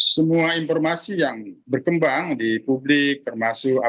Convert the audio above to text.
semua informasi yang berkembang di publik permasalahan